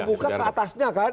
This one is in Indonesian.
membuka ke atasnya kan